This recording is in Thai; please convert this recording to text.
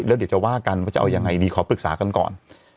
แล้วเดี๋ยวจะว่ากันว่าจะเอายังไงดีขอปรึกษากันก่อน